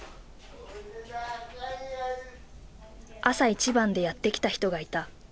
朝一番でやって来た人がいた。